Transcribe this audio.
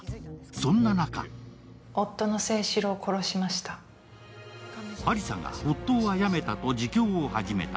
そんな中亜理紗が夫をあやめたと自供を始めた。